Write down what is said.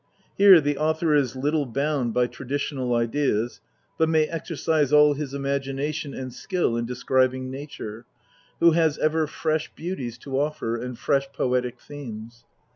Here the author is little bound by traditional ideas, but may exercise all his imagination and skill in describing nature, who has ever fresh beauties to offer and fresh poetic themes.